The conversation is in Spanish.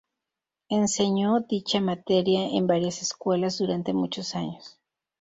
Enseñó dicha materia en varias escuelas durante muchos años.